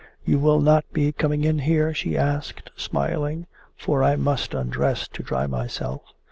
'You will not be coming in here?' she asked, smiling. 'For I must undress to dry myself.